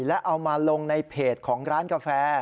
และเอามาลงในเพจของร้านกาแฟ